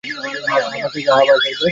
হ্যাঁ, বাসায় যা।